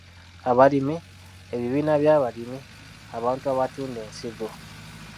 Abalimi, ebibiina by’abalimi, abantu abatunda ensigo.